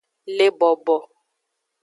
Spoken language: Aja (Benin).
Le bobo.